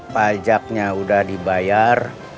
pajaknya sudah dibayar